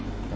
xin cảm ơn